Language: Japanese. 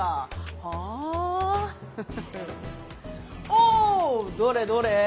おどれどれ？